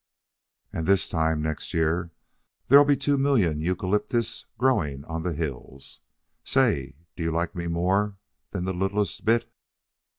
And this time next year there'll be two million eucalyptus growing on the hills. Say do you like me more than the littlest bit?"